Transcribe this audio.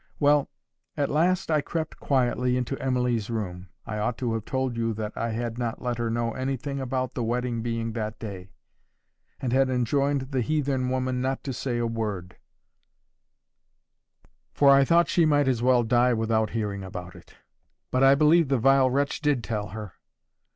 Well, at last I crept quietly into Emily's room. I ought to have told you that I had not let her know anything about the wedding being that day, and had enjoined the heathen woman not to say a word; for I thought she might as well die without hearing about it. But I believe the vile wretch did tell her.